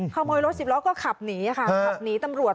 ขโมยรถสิบล้อก็ขับหนีค่ะขับหนีตำรวจ